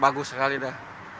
bagus sekali dah